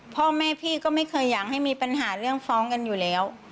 พ่อแม่พี่ก็ไม่เคยอยากให้มีปัญหาเรื่องฟ้องกันอยู่แล้ว